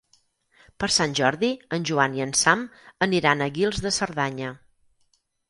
Per Sant Jordi en Joan i en Sam aniran a Guils de Cerdanya.